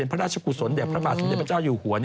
เป็นพระราชกุศลเด็กพระบาทสุดีพระเจ้าอยู่หัว